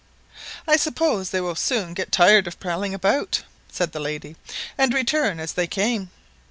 "I suppose they will soon get tired of prowling about," said the lady, "and return as they came."